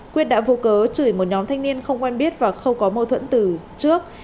quyết đã vô cớ chửi một nhóm thanh niên không quen biết và không có mâu thuẫn từ trước